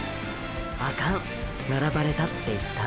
「アカン」「並ばれた」って言った？